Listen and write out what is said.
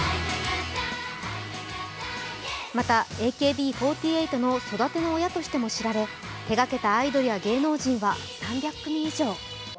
またＡＫＢ４８の育ての親としても知られ、手がけたアイドルや芸能人は３００組以上。